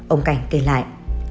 ông cảnh kê lại